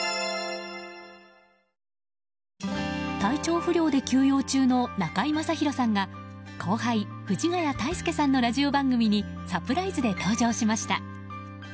体調不良で休養中の中居正広さんが後輩・藤ヶ谷大輔さんのラジオ番組にサプライズで登場しました。